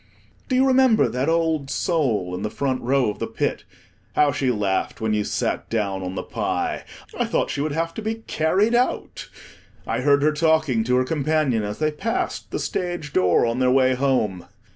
Do you remember that old soul in the front row of the Pit? How she laughed when you sat down on the pie! I thought she would have to be carried out. I heard her talking to her companion as they passed the stage door on their way home.